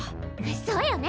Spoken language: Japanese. そうよね！